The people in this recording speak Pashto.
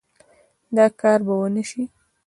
دا کار به ونشي